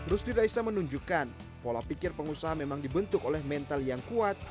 rusdi raisa menunjukkan pola pikir pengusaha memang dibentuk oleh mental yang kuat